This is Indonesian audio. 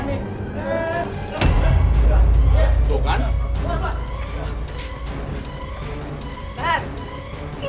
nah ini dia mencurigamu